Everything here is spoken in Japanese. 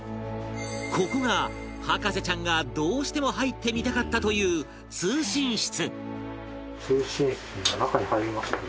ここが博士ちゃんがどうしても入ってみたかったという通信室通信室の中に入りましたけど。